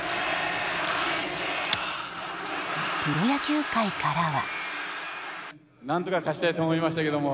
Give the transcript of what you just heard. プロ野球界からは。